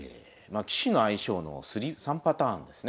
棋士の相性の３パターンですね。